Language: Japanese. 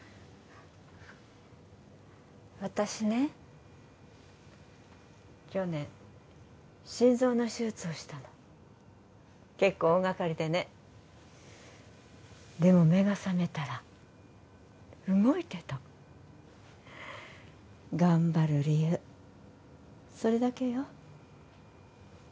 私ね去年心臓の手術をしたの結構大がかりでねでも目が覚めたら動いてた頑張る理由それだけよ